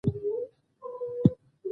زه کتاب نه لولم.